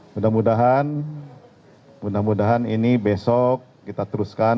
mudah mudahan mudah mudahan ini besok kita teruskan